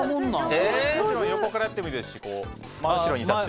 横からやってもいいですし真後ろに立って。